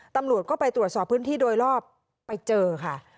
ตำรวจก็ไปตรวจสอบพื้นที่โดยรอบไปเจอค่ะ